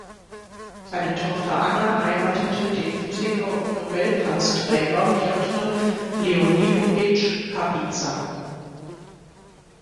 Seine Tochter Anna heiratete den Physiker und Nobelpreisträger Pjotr Leonidowitsch Kapiza.